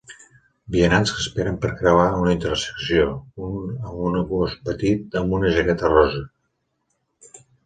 Vianants que esperen per creuar una intersecció, un amb un gos petit amb una jaqueta rosa